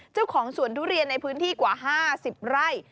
เจ้าของสวนทุเรียนในพื้นที่กว่า๕๐ไร่